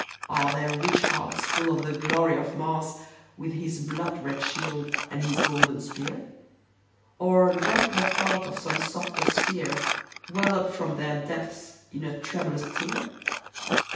Are their rich hearts full of the glory of Mars, With his blood red shield, and his golden spear ? Or doth the thought of some softer sphere Well up from their depths in a tremulous tear